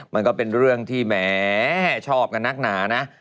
มันก็เป็นเรื่องที่แหมชอบกันนักหนานะ